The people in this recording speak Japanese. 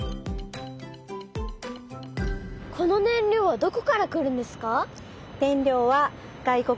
この燃料はどこから来るんですか？